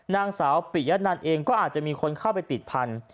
นางสาวปิยะนันเองก็อาจจะมีคนเข้าไปติดพันธุ